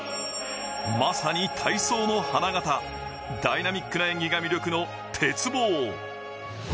まさに体操の花形、ダイナミックな演技が魅力の鉄棒。